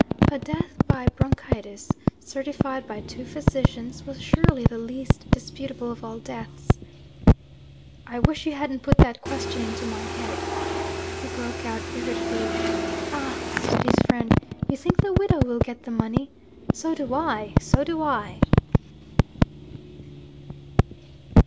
A death by bronchitis, certified by two physicians, was surely the least disputable of all deaths. 'I wish you hadn't put that question into my head!' he broke out irritably. 'Ah!' said his friend, 'you think the widow will get the money? So do I! so do I!'